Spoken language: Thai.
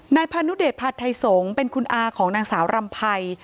นายพาณุเดชพาถทายสงฆ์เป็นคุณอาของนางสาวรำไพ้